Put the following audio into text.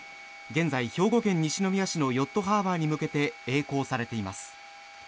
現在、兵庫県西宮市のヨットハーバーに向けてえい航されています。